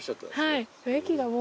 はい。